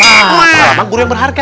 nah pengalaman guru yang berharga